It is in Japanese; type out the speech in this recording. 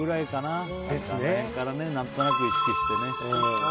あの辺から何となく意識してね。